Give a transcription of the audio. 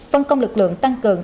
phân công lực lượng tăng cường